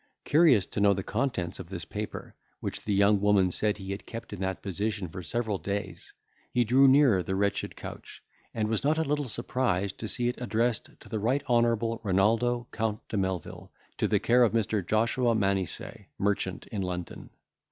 Curious to know the contents of this paper, which the young woman said he had kept in that position for several days, he drew nearer the wretched couch, and was not a little surprised to see it addressed to the Right Honourable Renaldo Count de Melvil, to the care of Mr. Joshua Manesseh, merchant in London.